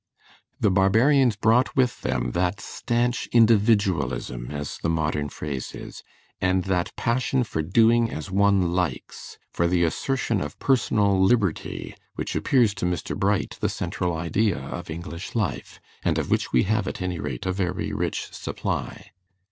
The Barbarians brought with them that stanch individualism, as the modern phrase is, and that passion for doing as one likes, for the assertion of personal liberty, which appears to Mr. Bright the central idea of English life, and of which we have at any rate a very rich supply.